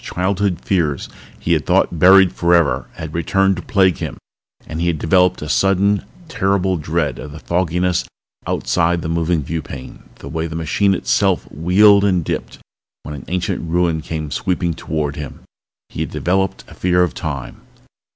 Childhood fears he had thought buried forever had returned to plague him and he had developed a sudden, terrible dread of the fogginess outside the moving viewpane, the way the machine itself wheeled and dipped when an ancient ruin came sweeping toward him. He had developed a fear of Time.